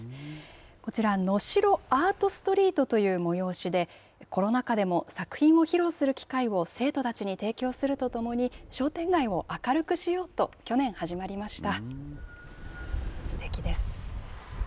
こちら、のしろアートストリートという催しで、コロナ禍でも作品を披露する機会を生徒たちに提供するとともに、商店街を明るくしようと、去年始まりました。